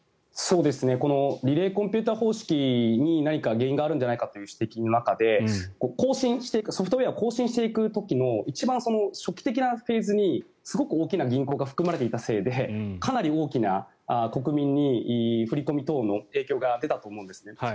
リレーコンピューター方式に何か原因があるんじゃないかという指摘がある中でソフトウェアを更新していく時の一番初期的なフェーズにすごく大きな銀行が含まれていたせいでかなり大きな国民に振り込み等の影響が出たと思うんですね。